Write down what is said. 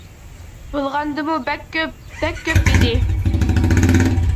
بولغاندىمۇ بەك كۆپ، بەك كۆپ ئىدى.